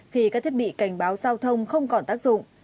khi các thiết bị cảnh báo giao thông không còn tăng